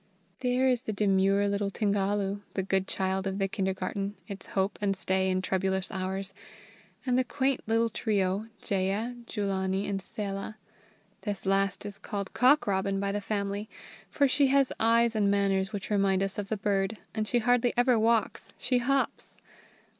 There is the demure little Tingalu, the good child of the kindergarten, its hope and stay in troublous hours, and the quaint little trio, Jeya, Jullanie, and Sella this last is called Cock robin by the family, for she has eyes and manners which remind us of the bird, and she hardly ever walks, she hops.